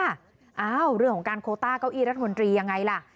อ้าวเรื่องของการโคต้าเก้าอี้รัฐมนตรียังไงล่ะ